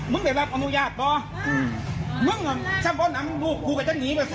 มึงไปรับอนุญาตต่อ